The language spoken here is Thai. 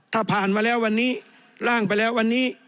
ถ้าผ่านมาแล้ววันนี้ร่างไปแล้ววันนี้